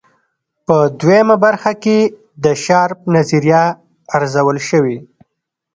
په دویمه برخه کې د شارپ نظریه ارزول شوې.